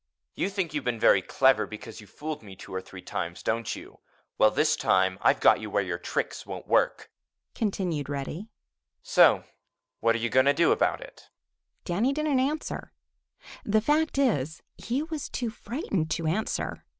"You think you've been very clever because you have fooled me two or three times, don't you? Well, this time I've got you where your tricks won't work," continued Reddy, "so what are you going to do about it?" Danny didn't answer. The fact is, he was too frightened to answer.